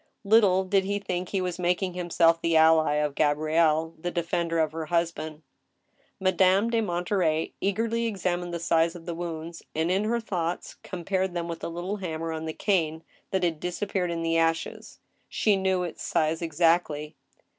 Little did he think he was making himself the ally of Gabrielle, the defender of her husband. Madame de Monterey eagerly examined the size of the wounds, and, in her thoughts, compared them with the little hammer on the cane that had disappeared in the ashes; she knew its size ex actly.